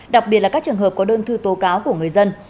đặc biệt là các trường hợp có đơn thư tố cáo của người dân